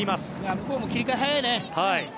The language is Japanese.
向こうも切り替え早いね。